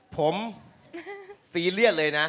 ผมซีเรียสเลยนะ